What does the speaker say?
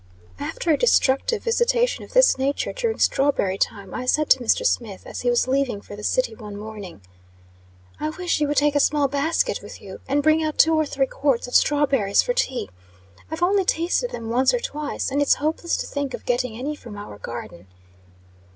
After a destructive visitation of this nature, during strawberry time, I said to Mr. Smith, as he was leaving for the city one morning "I wish you would take a small basket with you, and bring out two or three quarts of strawberries for tea. I've only tasted them once or twice, and it's hopeless to think of getting any from our garden."